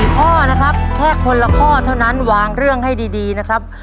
ข้อนะครับแค่คนละข้อเท่านั้นวางเรื่องให้ดีนะครับ